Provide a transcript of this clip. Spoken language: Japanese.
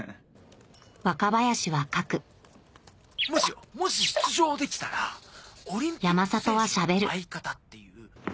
若林は書くもしよもし出場できたらオリンピック選手の相方っていう。